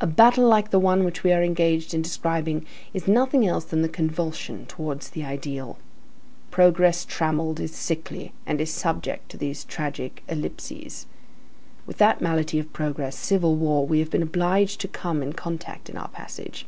A battle like the one which we are engaged in describing is nothing else than a convulsion towards the ideal. Progress trammelled is sickly, and is subject to these tragic epilepsies. With that malady of progress, civil war, we have been obliged to come in contact in our passage.